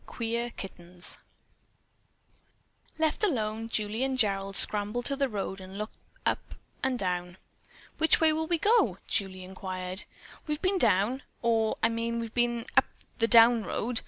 QUEER KITTENS Left alone, Julie and Gerald scrambled to the road and looked both up and down. "Which way will we go?" Julie inquired. "We've been down or, I mean, we've been up the down road."